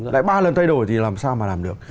lại ba lần thay đổi thì làm sao mà làm được